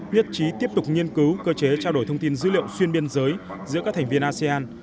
nhất trí tiếp tục nghiên cứu cơ chế trao đổi thông tin dữ liệu xuyên biên giới giữa các thành viên asean